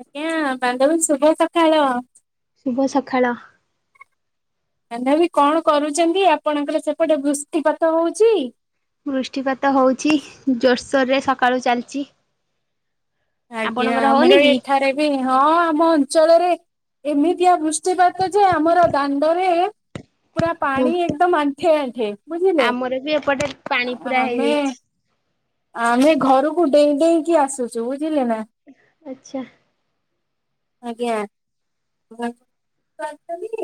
ଆଜ୍ଞା ବାନ୍ଧବୀ ଶୁଭ ସଖାଳ। ଶୁଭ ସଖାଳ। ବାନ୍ଧବୀ କଣ କରୁଚନ୍ତି ଆପଣଙ୍କର ସେପଟେ ବୃଷ୍ଟିପାତ ହୋଉଚି? ବୃଷ୍ଟିପାତ ହଉଚି ଜୋର ସୋରରେ ସକାଳୁ ଚାଲଚି। ଆଜ୍ଞା ଆମର ଏଠାରେ ବି ହଁ ଆମ ଅଞ୍ଚଳରେ ଏମିତିଆ ବୃଷ୍ଟିପାତ ଯେ ଆମର ଦାଣ୍ଡରେ ପୁରା ହୁଁ। ପାଣି ଏକଦମ୍ ଆଣ୍ଠିଏ ଆଣ୍ଠିଏ ବୁଝିଲେ ଆମର ବି ଏପଟେ ପାଣି ଆ ପୁରା ଆମେ ହେଇଯାଇଛି [unintelligible] ଆମେ ଘରୁକୁ ଡେଇଁ ଡେଇଁକି ଆସୁଚୁ ବୁ ଆଚ୍ଛା। ଆଜ୍ଞା କୁହଁ।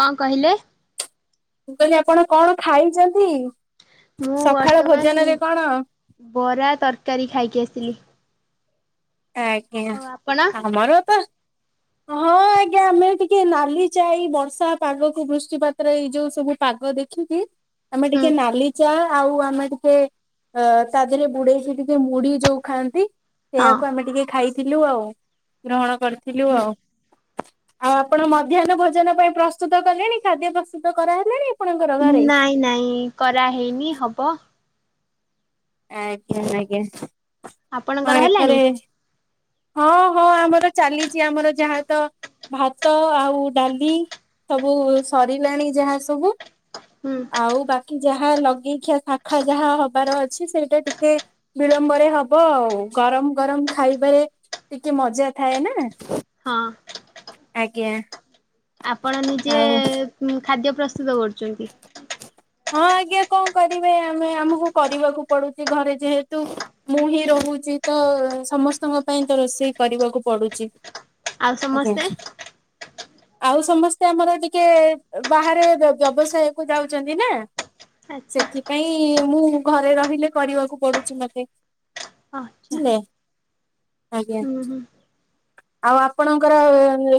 କଁ କହିଲେ? ମୁଁ କହିଲି ଆପଣ କଣ ଖାଇଚନ୍ତି? ମୁଁ ବର୍ତ୍ତମାନ ବରା ତରକାରୀ ଖାଇକି ଆସିଲି। ଆଜ୍ଞା ଆଉ ଆପଣ ଆମର ତ [unintelligible] ହଁ ଆଜ୍ଞା ଆମେ ଟିକେ ନାଲି ଚା ଏଇ ବର୍ଷା ପାଗକୁ ବୃଷ୍ଟି ପାତର ଏଇ ଯୋଉ ସବୁ ପାଗ ଦେଖିକି ଆମେ ହୁଁ ଟିକେ ନାଲି ଚା ଆଉ ଆମେ ଟିକେ ଅ ତା ଧେରେ ବୁଡ଼େଇକି ଟିକେ ମୁଢ଼ି ଯୋଉ ଖାଆନ୍ତି ହଁ। ସେଇଆକୁ ଆମେ ଟିକେ ଖାଇଥିଲୁ ଆଉ ଗ୍ରହଣ କରିଥିଲୁ ଆଉ। ଆଉ ଆପଣ ମଧ୍ୟାହ୍ନ ଭୋଜନ ପାଇଁ ପ୍ରସ୍ତୁତ କଲେଣି ଖାଦ୍ୟ ପ୍ରସ୍ତୁତ କରାହେଲେଣି? ନାଇଁ ନାଇଁ କରାହେଇନି ହବ। ଆଜ୍ଞା ଆଜ୍ଞା। ହଁ ଆପଣଙ୍କର ହେଲାଣି? ଏଠାରେ ହଁ ହଁ ଆମର ଚାଲିଚି ଆମର ଯାହା ତ ଭାତ ଆଉ ଡାଲି ସବୁ ସରିଲାଣି ଯାହା ସବୁ। ହୁଁ ଆଉ ବାକି ଯାହା ଲଗ ଗେଇଖିଆ ଶାଖା ଯାହା ହବାର ଅଛି ସେଇଟା ଟିକେ ବିଳମ୍ବରେ ହବ ଆଉ ଗରମ ଗରମ ରମ ଖାଇବାରେ ଟିକେ ମଜା ଥାଏ ନା। ହଁ। ଆଜ୍ଞା। ଆପଣ ନିଜେ ଆଉ ଖାଦ୍ୟ ପ୍ରସ୍ତୁତ କରୁଛନ୍ତି। ହଁ, ଆଜ୍ଞା। କଣ କରିବେ ଆମେ ଆମକୁ କରିବାକୁ ପଡୁଛି ଘରେ ଯେହେତୁ ମୁଁ ହିଁ ରୋ ଉଛି ତ ସମସ୍ତଙ୍କ ପାଇଁ ତ ରୋଷେଇ କରିବାକୁ ପଡୁଛି। ଆଉ ଆଜ୍ଞା ସମସ୍ତେ? ଆଉ ସମସ୍ତେ ଆମର ଟିକେ ବାହାରେ ବ୍ୟବସାୟକୁ ଯାଉଛନ୍ତି ନା। ଆଚ୍ଛା। ସେଥିପାଇଁ ମୁଁ ଘରେ ରହିଲେ କରିବାକୁ ପଡୁଛି ମତେ। ଆଛା ବୁଝିଲେ ଆଜ୍ଞା ଉଁ ହୁଁ। ଆଉ ଆପଣଙ୍କର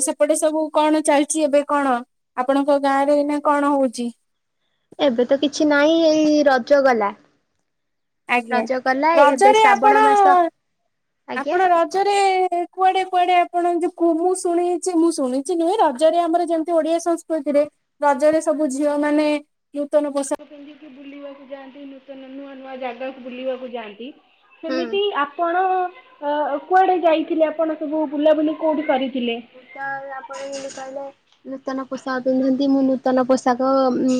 ସେପଟେ ସବୁ କଣ ଚାଲିଛି ଏବେ କଣ ଆପଣ ଙ୍କ ଗାଁରେ ଏଇନା କଣ ହଉଛି? ଏବେ ତ କିଛି ନାହିଁ ଏଇ ରଜ ଗଲା। ଆଜ୍ଞା ରଜ ଗଲା ଏବେ ରଜରେ ଆପଣ ଶ୍ରାବଣ ମାସ ଆଜ୍ଞା ଆପଣ ରଜରେ କୁଆଡେ କୁଆଡେ ଆପଣ ଜାଗାକୁ ମୁଁ ଶୁଣଛି ମୁଁ ଶୁଣିଛି ନୁହେଁ ରଜରେ ଆମର ଯେମିତି ଓଡିଆ ସଂସ୍କୃତିରେ ରଜରେ ସବୁ ଝିଅମା ମାନେ ନୂତନ ପୋଷାକ ପିନ୍ଧିକି ବୁଲିବାକୁ ଯାଆନ୍ତି ନୂତନ ନୂଆ ନୂଆ ଜାଗ ଗାକୁ ବୁଲିବାକୁ ଯାଆନ୍ତି ହୁଁ ସେମିତି ମୁଁ ଆପ ଆପଣ ଅ କୁଆଡେ ଯାଇଥିଲେ ଆପଣ ସବୁ ବୁଲାବୁଲି କୋଉଠି କରିଥିଲେ? ମୁଁ ତ ଆପଣ ଯେମିତି କହିଲେ ନୂତନ ପୋଷାକ ପିନ୍ଧନ୍ତି ମୁଁ ନୂତନ ପୋଷାକ ଉଁ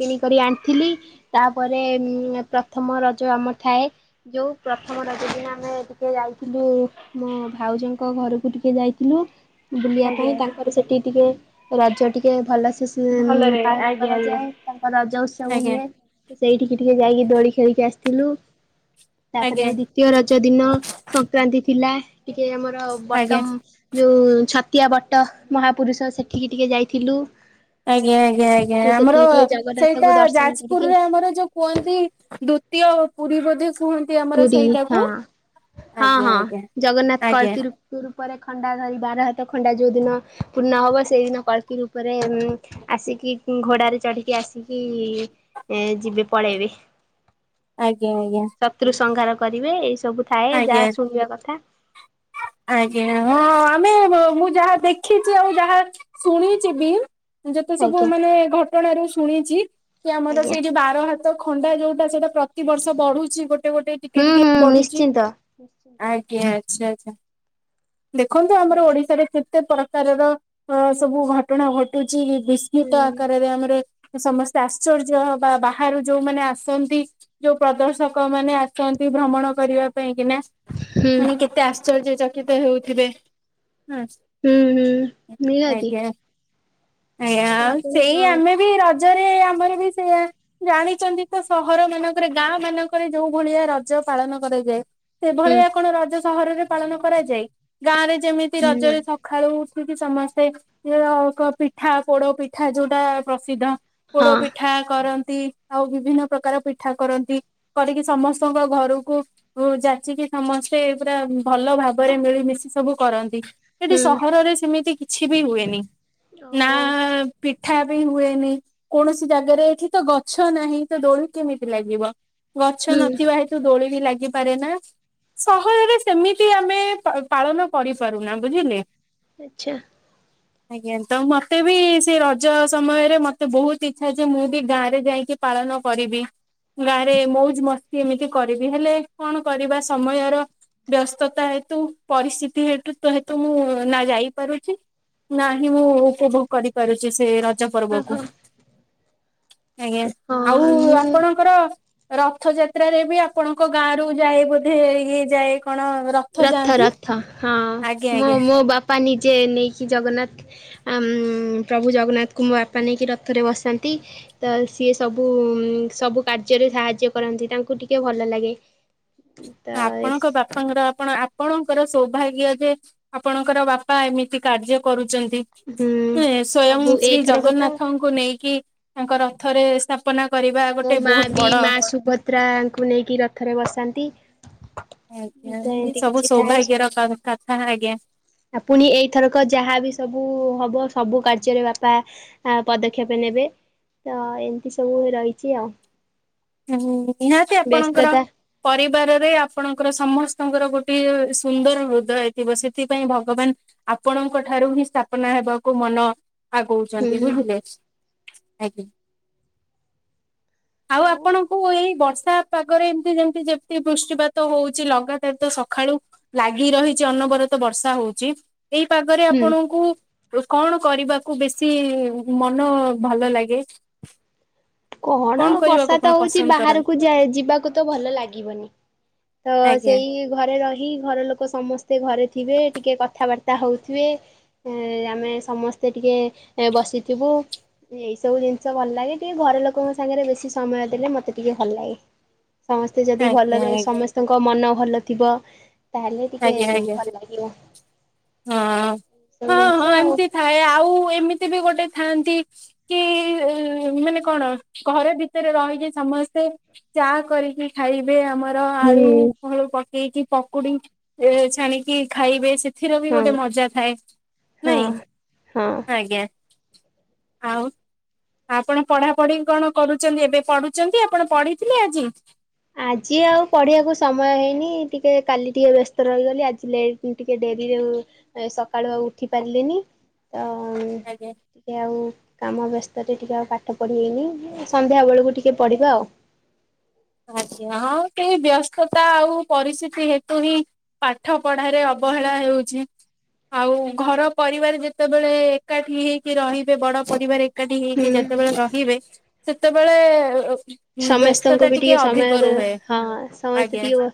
କିଣିକରି ଆଣିଥିଲି ତାପରେ ଉଁ ପ୍ରଥମ ରଜ ଆମର ଥାଏ ଯୋଉ ପ୍ର ପ୍ରଥମ ରଜ ଦିନ ଆମେ ଟିକେ ଯାଇଥିଲୁ, ମୋ ଭାଉଜଙ୍କ ଘରକୁ ଟିକେ ଯାଇଥିଲୁ। ବୁଲିବା ପାଇଁ ଆଜ୍ଞା ତାଙ୍କର ସେଠି ଟିକେ ରଜ ଟିକେ ଭଲସେ ସିମ୍ ଭଲରେ ପାଳନ ଆଜ୍ଞା କରାଯାଏ। ତାଙ୍କ ରଜ ଉତ୍ସବ ଆଜ୍ଞା। ହୁଏ ତ ସେଇଠିକି ଟିକେ ଯାଇକି ଦୋଳି ଖେଳିକି ଆସି ଥିଲୁ ଆଜ୍ଞା ଆଜ୍ଞା ତାପରେ ଦ୍ଵିତୀୟ ରଜ ଦିନ ସଂକ୍ରାନ୍ତି ଥିଲା। ଇଏ ଆମର ଆଜ୍ଞା ବଟମ ଯୋଉ ଛତିଆ ବଟ ମହାପୁରୁଷ ସେଠିକି ଟିକେ ଯାଇଥିଲୁ। ଆଜ୍ଞା ଆଜ୍ଞା ତ ଆଜ୍ଞା ଆମର ସେଠିକି ଟିକେ ସେଇଟା ଜଗନ୍ନାଥଙ୍କୁ ଦର୍ଶନ କରିକି ଯାଜପୁରରେ ଆସିଲୁ। ଆମର ଯୋଉ କୁହନ୍ତି ଦୁ ଦ୍ୱିତୀୟ ପୁରୀ ବୋଧେ କୁହନ୍ତି ଆମର ପୁରୀ ହଁ ସେଇଟାକୁ ହଁ ଆଜ୍ଞା ହଁ ଆଜ୍ଞା ଜଗନ୍ନାଥ ଆଜ୍ଞା କଳ୍କୀ ରୂପ ଉପରେ ଖଣ୍ଡା ଧରି ବାର ହାତ ଖଣ୍ଡା ଯୋଉ ଦିନ ପୂର୍ଣ୍ଣ ହବ ସେଇଦିନ କଳ୍କୀ ରୂପରେ ଉଁ ଆସି କି ଘୋଡାରେ ଚଢ଼ିକି ଆସିକି ଏ ଯିବେ ପଳେଇବେ। ଆଜ୍ଞା ଆଜ୍ଞା। ଶତ୍ରୁ ସଂଘାର କରିବେ ଏଇ ସବୁ ଥାଏ ଆଜ୍ଞା ଯାହା ଶୁଣିବା କଥା ଆଜ୍ଞା ହଁ ଆମେ [unintelligible] ମୁଁ ଯାହା ଦେଖିଛି ଆଉ, ଯାହା ଶୁଣିଛି ବି ଯେତେ ସବୁ ଆଜ୍ଞା ମାନେ ଘଟଣାରୁ ଶୁ ଶୁଣିଛି କି ଆମର ଆଜ୍ଞା। ସେଇ ଯୋଉ ବାର ହାତ ଖଣ୍ଡା ଯୋଉଟା ସେଇଟା ପ୍ର ତି ବର୍ଷ ବଢୁଛି ଗୋଟେ ଗୋଟେ ଟିକେ ହୁଁ ଟିକେ ହୁଁ ବଢୁଛି, ନିଶ୍ଚିନ୍ତ। ଆଜ୍ଞା। ଆଚ୍ଛା ଆଚ୍ଛା ଦେଖନ୍ତୁ ଆମର ଓଡିଶାରେ କେତେ ପ୍ରକାରର ଅ ସବୁ ଘଟଣା ଘଟୁଛି ହୁଁ ବିସ୍ମିତ ଆକାରରେ ଆମର ସମସ୍ତେ ଆଶ୍ଚର୍ଯ୍ୟ ହବା ବାହାରୁ ଯୋଉମାନେ ଆସନ୍ତି ଯୋଉ ପ୍ରଦର୍ଶକ ମାନେ ଆସ ସନ୍ତି ଭ୍ରମଣ କରିବା ପାଇଁ କିନା ହୁଁ ଫୁଣି କେତେ ଆସ ଚର୍ଯ୍ୟ ଚକିତ ହେଉଥିବେ। ହଁ ହୁଁ ହୁଁ ନିହାତି। ଆଜ୍ଞା। ଆଜ୍ଞା ତ ଆଉ ସେଇ ଆପଣ ଆମେ ବି ର ଜରେ ଆମର ବି ସେଇଆ ଜାଣିଛନ୍ତି ତ ସହର ମାନଙ୍କରେ ଗାଁ ମାନଙ୍କରେ ଯୋଉ ଭଳିଆ ରଜ ପାଳନ କରାଯାଏ। ହୁଁ ସେଭଳିଆ କଣ ରଜ ସହରରେ ପାଳନ କରାଯାଏ ଗାଁ ରେ ଯେମିତି ନା ରଜରେ ସଖାଳୁ ଉଠ ଉଠିକି ସମସ୍ତେ [unintelligible] ପିଠା ପୋଡ ପିଠା ଯୋଉଟା ପ୍ରସିଦ୍ଧ। ପୋଡ ହଁ ପିଠା କର ନ୍ତି, ଆଉ ବିଭିନ୍ନ ପ୍ରକାର ପିଠା କରନ୍ତି କରିକି ସମସ୍ତଙ୍କ ଘରକୁ ଓ ଯାଚିକି ସମସ୍ତେ ପୁରା ଭଲ ଭାବରେ ମିଳିମିଶି ସବୁ କରନ୍ତି। ସେଠି ହୁଁ ସହରରେ ସେମିତି କିଛି ବି ହୁଏନି। ନା ଓହୋ ପିଠା ବି ହୁଏନି କୌଣସି ଜାଗାରେ ଏଠି ତ ଗଛ ନାହିଁ ତ ଦୋଳି କେମିତି ଲାଗିବ? ଗଛ ହୁଁ ନଥିବା ହେତୁ ଦୋଳି ବି ଲାଗିବ ସହରରେ ସେମିତି ଆମେ ପାଳନ କରିପାରୁନା ବୁଝିଲେ। ଆଛା। ଆଜ୍ଞା ତ ମତେ ବି ସେ ରଜ ସମୟରେ ମତେ ବହୁତ ଇଚ୍ଛା, ଯେ ମୁଁ ବି ଗାଁ ରେ ଯାଇକି ପାଳନ କରିବି ଗାଁ ରେ ମଉଜ ମସ୍ତି ଏମିତି କରିବି ହେଲେ କଣ କରିବା ସମୟର ବ୍ୟସ୍ତତା ହେତୁ ପରିସ୍ଥିତି ହେତୁତୁ ମୁଁ ନା ଯାଇ ପାରୁଛି ନାହିଁ ମୁଁ ଉପଭୋଗ କରିପାରୁଛି ସେ ରଜ ପର୍ବକୁ। ଓହୋ ଆଜ୍ଞା ଆଉ ହଁ ମୁଁ ଆପଣଙ୍କର ରଥଯାତ୍ରାରେ ବି ଆପଣଙ୍କ ଗାଁ ରରୁ ଯାଏ ବୋଧେ ହେଇି ଯାଏ କଣ ରଥ ଯାଆନ୍ତି? ରଥ ହଁ ଆଜ୍ଞା ମୋ ଆଜ୍ଞା ମୋ ବାପା ନିଜେ ନେଇକି ଜଗନ୍ନାଥ ହୁଁ। ପ୍ରଭୁ ଜଗନ୍ନାଥଙ୍କୁ ବାପା ନେଇକି ରଥରେ ବସାନ୍ତି ତ ସିଏ ସବୁ ସବୁ କାର୍ଯ୍ୟରେ ସାହାଯ୍ୟ କରନ୍ତି ତାଙ୍କୁ ଟିକେ ଭଲ ଲାଗେ। ତ ଆପଣଙ୍କ ବାପାଙ୍କର ଆପ ଆପଣଙ୍କର ସୌଭାଗ୍ୟ ଯେ ଆପଣଙ୍କର ବାପା ଏମିତି କାର୍ଯ୍ୟ କରୁଛନ୍ତି। ହୁଁ ସ୍ଵୟଂ ସବୁ ଶ୍ରୀ ଏଇଥରକ ତ ଜଗନ୍ନାଥଙ୍କୁ ନେଇକି ତାଙ୍କ ରଥରେ ସ୍ଥାପନା କରିବା ମୋ ଗୋଟେ ମା ବହୁତ ବି ବଡ ମା ସୁଭଦ୍ରାଙ୍କୁ ନେଇକି ରଥରେ ବସାନ୍ତି। ତ ଆଜ୍ଞା ଏମିତି ସବୁ କିଛି ସୌଭାଗ୍ୟର କଥା ଆଜ୍ଞା। ଆ ପୁଣି ଏଇଥରକ ଯାହାବ ସବୁ ହବ ସବୁ କାର୍ଯ୍ୟରେ ବାପା ପଦକ୍ଷେପ ନେବେ ତ ଏମିତି ସବୁ ରହିଛି। ରହିଛି। ହୁଁ ନିହାତି ଆପଣଙ୍କର ବ୍ୟସ୍ତତା ପରିବାରରେ ଆପଣଙ୍କର ସମସ୍ତ ଙ୍କର ଗୋଟେ ସୁନ୍ଦର ହୃଦୟ ଥିବ ସେଥିପାଇଁ ଭଗବାନ ଆପଣଙ୍କ ଠାରୁ ହିଁ ସ୍ପନା ହେବାକୁ ମନ ଆଗଉଛନ୍ତି ହୁଁ। ବୁଝିଲେ। ଆଜ୍ଞା ଆଉ ଆପଣଙ୍କୁ ଏଇ ବର୍ଷ ତା ପାଗରେ ଏମତି ଯେମତି ଯେମତି ବୃଷ୍ଟିପାତ ହଉଛି, ଲଗାତାର ତ ସକାଳୁ ଲାଗି ରହିଛି ଅନ ତ ବର୍ଷା ହଉଛି ଏଇ ପାଗରେ ହୁଁ। ଆପଣଙ୍କୁ କଣ କରିବାକୁ ବେଶୀ ମନ ଭଲ ଲାଗେ? କଣ କରିବାକୁ ବର୍ଷା ତ ଆପଣ ହଉଛି ପସନ୍ଦ କରନ୍ତି ବାହାରକୁ ଯିବାକୁ ତ ଭଲ ଲାଗିବନି। ତ ଆଜ୍ଞା ସେଇ ଘରେ ରହି ଘର ଲୋକ ସମସ୍ତେ ଘରେ ଥିବେ ଟିକେ କଥାବାର୍ତ୍ତା ହଉଥିବେ ଆମେ ସମସ୍ତେ ଟିକେ ବ ବଥିବୁ ଏଇ ସବୁ ଜିନିଷ ଭଲ ଲେ ଟିକେ ଘର ଲୋକ ଲୋକଙ୍କ ସାଙ୍ଗରେ ବେଶି ସମୟ ଦେଲେ ମତେ ଟିକେ ଭଲ ଲାଗେ। ସମସ୍ତେ ଯଦି ଆଜ୍ଞା ଆଜ୍ଞା ଭଲରେ ସମସ୍ତଙ୍କ ମନ ଭଲ ଥିବ ତାହେଲେ ଟିକେ ଆଜ୍ଞା ଆଜ୍ଞା ଭଲ ଲାଗିବ। ହଁ ସବୁ ହଁ ଜିନିଷ ହଁ ଆଉ ଏମତି ଥାଏ ଆଉ ଏମିତି ବି ଗୋଟେ। ଗୋଟେ ଥାନ୍ତି କି ମାନେ କଣ ଘର ଭିତରେ ରହିକି ସମସ୍ତେ ଚା କରିକି ଖାଇବି ଆମର ଆଳୁ ହୁଁ। ଫଳୁ ପକେଇକି ପକୁଡି ଛାଣିକି ଖାଇବେ ସେ ଏଥିର ବି ହଁ ଗୋଟେ ମଜା ଥାଏ ହଁ ନାଇଁ ହଁ। ଆଜ୍ଞା। ଆଉ ଆପଣ ପଢାପଢି କଣ କରୁଛନ୍ତି, ଏବେ ପଢୁଛନ୍ତି ଆପଣ ପଢିଥିଲେ ଆଜି ଆଜି ଆଉ ପଢିବାକୁ ସମୟ ହେଇନି ଟିକେ କାଲି ଟିକେ ବ୍ୟସ୍ତ ରହିଗଲି, ଆଜି ଟିକେ ଡେରି ସକାଳୁ ଆଉ ଉଠି ପାରିଲେନି ତ ଆଜ୍ଞା ଟିକେ ଆଉ କାମ ବ୍ୟସ୍ତ ରେ ଟିକେ ଆଉ ପାଠ ପଢିବେନି ସନ୍ଧ୍ୟା ବେଳକୁ ଟିକେ ପଢିବା ଆଉ। ଆଜ୍ଞା ହଁ ଟିକେ ବ୍ୟସ୍ତତା ଆଉ ପରିସ୍ଥିତି ହେତୁ ହିଁ ପାଠ ପଢାରେ ଅବହେଳା ହେଉଛି। ଆଉ ଘର ପରିବାର ଯେତେବେଳେ ଏକାଠି ହେଇକି ରହିବେ ବଡ ପରିବାରେ ଏକାଠି ହୁଁ ହେଇକି ଯେତେବେଳେ ରହିବେ ସେତେବେଳେ ସମସ୍ତେଙ୍କୁ ବ୍ୟସ୍ତତା ବି ଟିକେ ଅଧିକ ସମୟରେ ରୁହେ। ହଁ ସମସ୍ତେ ଆଜ୍ଞା ଟିକେ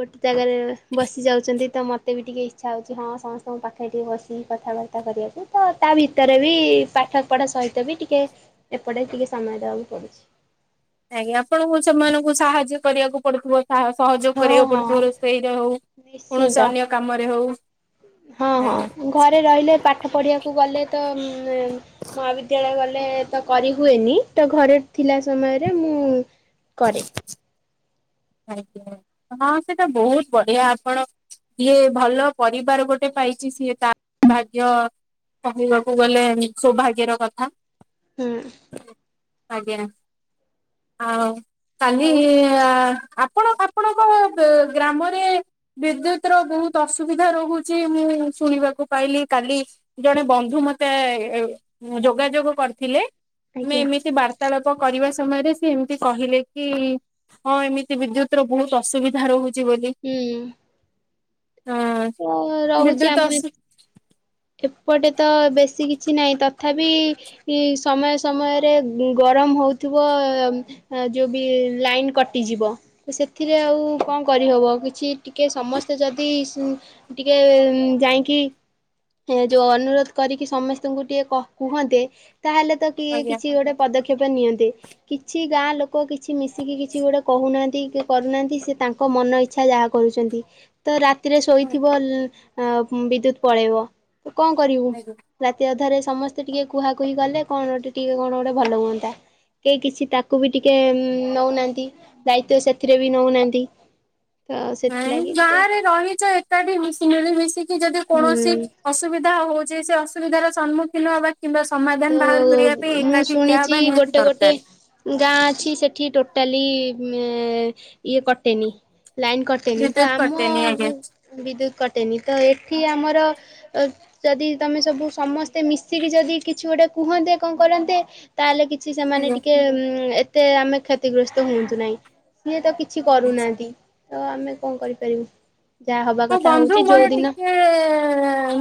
ଗୋଟେ ଜାଗାରେ ବସି ଯାଉଛନ୍ତି। ଏମିତି ତ ମତେ ବି ଟିକେ ଇଚ୍ଛା ହଉଛି ହଁ ସମସ୍ତଙ୍କ ପାଖରେ ଟିକେ ବସିକି କଥାବାର୍ତ୍ତା କରିବାକୁ ତ ତା ଭିତରେ ବି ପାଠ ପଢା ସହିତ ବି ଟିକେ ଏପଟେ ଟିକେ ସମୟ ଦବାକୁ ପଡୁଛି। ଆଜ୍ଞା ଆପଣଙ୍କୁ ସେମାନଙ୍କୁ ସାହାଯ୍ୟ କରିବାକୁ ପଡୁଥିବ। ସହଯୋଗ ହଁ କରିବାକୁ ପଡୁଥିବ ହଁ। ରୋଷେଇରେ ହଉ ନିଶ୍ଚିନ୍ତ କୌଣସି ଅନ୍ୟ କାମରେ ହଉ। ହଁ ହଁ ଆଜ୍ଞା ଘରେ ରହିଲେ ପାଠ ପଢିବାକୁ ଗଲେ ତ ଉ ମହାବିଦ୍ୟାଳୟ ଗଲେ। ତ କରି ହୁଏନି ତ ଘରେ ଥିଲା ସମୟରେ ମୁଁ କରେ। ଆଜ୍ଞା ହଁ ସେଟା ବହୁତ ବଢିଆ ଆପଣ ଇଏ ଭଲ ପରିବାର ଗୋଟେ ପାଇଚି ସିଏ ତା ଭାଗ୍ୟ କହିବାକୁ ଗଲେ ସୌଭାଗ୍ୟର କଥା। ହୁଁ। ଆଜ୍ଞା ଆଉ କାଲି ଆଉ ଆପଣ ଆପଣଙ୍କ ଗ୍ରାମରେ ବିଦ୍ୟୁତ ର ବହୁତ ଅସୁବିଧା ରହୁଛି ମୁଁ ମୁଁ ଶୁଣିବାକୁ ପାଇଲି କାଲି ଜଣେ ବନ୍ଧୁ ମତେ ଯୋଗାଯୋଗ କରିଥିଲେ। ମୁଁ ଆଜ୍ଞା ଏମିତି ବାର୍ତ୍ତାଳାପ କରିବା ସମୟରେ ସେ ଏମିତି କହିଲେ କି ହଁ ଏମିତି ବିଦ୍ୟୁତର ବହୁତ ଅସୁବିଧା ରହୁଛି। ବୋଲି ହୁଁ। ଅ ଓ ରହୁଛି ବିଦ୍ୟୁତ ଆମେ ଅସୁ ଏପଟେ ତ ବେଶୀ କିଛି ନାହିଁ ତଥାପି ସମୟ ସମୟରେ ଗରମ ହଉ ଥିବ ଲାଇନ କଟିଯିବ ସେଥିରେ ଆଉ କଣ କରିହବ? କିଛି ଟିକେ ସମସ୍ତେ ଯଦି ଟିକେ ଯାଇକି ଏ ଯୋଉ ଅନୁରୋଧ କରିକି ସମସ୍ତଙ୍କୁ ଟିକେ କୁହନ୍ତେ। ତାହେଲେ ତ କିଏ ଆଜ୍ଞା କିଛି ଗୋଟେ ପଦକ୍ଷେପ ପଦକ୍ଷେପ ନିଅନ୍ତେ କିଛି ଗାଁ ଲୋକ କିଛି ମିଶିକି କିଛି ଗୋଟେ କହୁନାହାନ୍ତି କି କରୁନାହାନ୍ତି ସେ ତାଙ୍କ ମନ ଇଚ୍ଛା ଯାହା କରୁଛନ୍ତି ତ ରାତିରେ ଶୋଇଥିବ ଆଜ୍ଞା ବିଦ୍ୟୁତ ପଳେଇବ କଣ କରିବୁ ରାତି ଅଧରେ ସମସ୍ତେ ଟିକେ କୁହାକୁହି ଖଲେ କଣ ଟିକେ କଣ ଗୋଟେ ଭଲ ହୁଅନ୍ତା। କେହି କିଛି ତାକୁ ବି ଟିକେ ନଉନାହାନ୍ତି ଦାୟିତ୍ଵ ସେଥିରେ ବି ନଉନାହାନ୍ତି। ତ ନାଇଁ ସେଥିଲାଗି ଟିକେ ଗାଁରେ ରହିଛ ଏ ମିଶି ମିଳିମଶିକି ଯଦି କୌଣସି ହୁଁ ଅସୁବିଧା ହଉଛି ସେ ଅସୁବିଧା ର ସମ୍ମୁଖୀନ ହବା। କିମ୍ବା ତ ସମାଧାନ ବାହାର କରିବା ପାଇଁ ମୁଁ ଏକାଠି ଠିଆ ଶୁଣିଛି ହବା ନିହାତି ଗୋଟେ ଗୋଟେ ଦରକାର। ଗାଁ ଅଛି ସେଠି ଟୋଟାଲି ଇଏ କଟେନି। ଲାଇନ୍ କଟେନି ତ ବିଦ୍ୟୁତ ଆମ କଟେନି ଆଜ୍ଞା ବିଦ୍ୟୁତ କଟେନି ତ ଏ କି ଆମର ଯଦି ତମେ ସବୁ ସମସ୍ତେ ମିଶିକି ଯଦି କିଛି ଗୋଟେ କୁହନ୍ତେ କଣ କରନ୍ତେ ତାହେଲେ କିଛି ସେମାନେ ଟିକେ ଏତେ ଆମେ କ୍ଷତିଗ୍ରସ୍ତ ହୁଅନ୍ତୁ ନାହିଁ ସିଏ ତ କିଛି କରୁନାହାନ୍ତି। ତ ଆମେ କଣ କରିପାରିବୁ? ଯାହା ହବା ହଁ କଥା ବନ୍ଧୁ ହଉଛି ଯୋଉ ମୋର ଦିନ ଟିକେ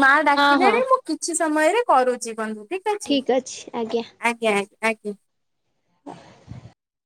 ମା ହଁ ହଁ ଡାକିଲେଣି ମୁଁ କିଛି ସମୟରେ କରୁଛି ବନ୍ଧୁ। ଠିକ ଅଛି ଆଜ୍ଞା ଆଜ୍ଞା ଆଜ୍ଞା। [unintelligible]